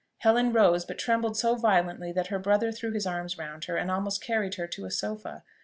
Helen rose, but trembled so violently, that her brother threw his arms round her and almost carried her to a sofa.